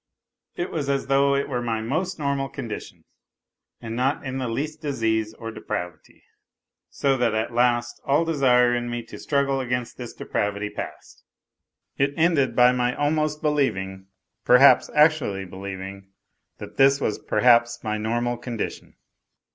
It was as though it were my most normal condition, and not in the least disease or depravity, so that at last all desire in me to struggle against this depravity passed. It ended by my almost believing (perhaps actually believing) that tliis was perhaps my normal condition.